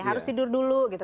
harus tidur dulu gitu